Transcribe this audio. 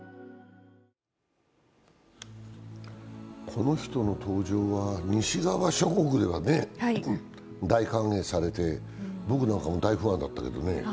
この人の登場は西側諸国では大歓迎されて、僕なんかも大ファンだったけどね。